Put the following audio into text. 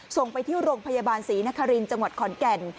ส่งไปที่โรงพยาบาลศรีนครินทร์จังหวัดขอนแก่น